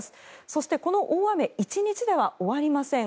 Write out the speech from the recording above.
そして、この大雨１日では終わりません。